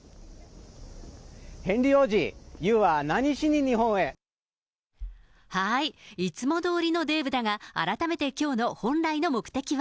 ヘンリー王子、いつもどおりのデーブだが、改めてきょうの本来の目的は。